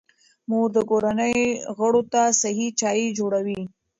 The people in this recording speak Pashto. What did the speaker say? مور د کورنۍ غړو ته صحي چای جوړوي.